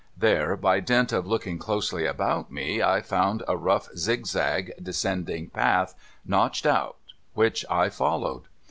There, by dint of looking closely about me, I found a rough zigzag descending path notched out, which I followed.